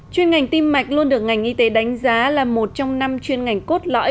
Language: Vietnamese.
chuyên ngành tim mạch luôn được ngành y tế đánh giá là một trong năm chuyên ngành cốt lõi